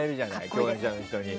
共演者の人に。